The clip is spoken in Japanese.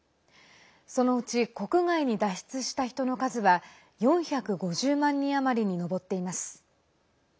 そのうち国外に脱出した人の数は４５０万人余りに上っています。